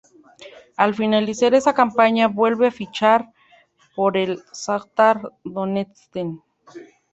Al finalizar esa campaña vuelve a fichar por el Shajtar Donetsk.